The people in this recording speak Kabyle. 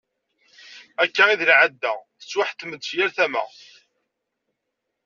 Akka i d lεada, tettwaḥettem-d si yal tama.